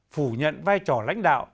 phủ nhận vai trò lãnh đạo